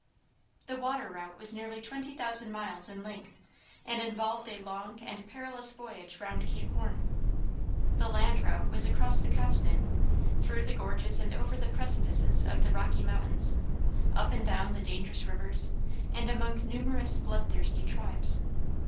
The water route was nearly twenty thousand miles in length, and involved a long and perilous voyage round Cape Horn. The land route was across the continent, through the gorges and over the precipices of the Rocky Mountains, up and down the dangerous rivers, and among numerous bloodthirsty tribes.